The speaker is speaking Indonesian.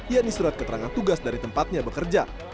yakni surat keterangan tugas dari tempatnya bekerja